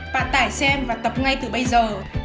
bạn tải xem và tập ngay từ bây giờ